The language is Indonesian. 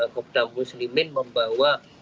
kobda muslimin membawa